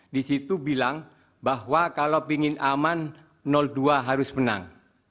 di situ bilang bahwa kalau ingin aman dua harus menang